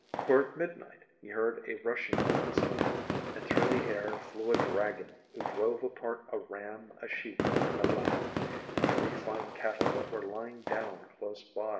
For at midnight he heard a rushing noise, and through the air flew a dragon, who drove apart a ram, a sheep, and a lamb, and three fine cattle that were lying down close by.